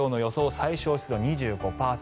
最小湿度２５％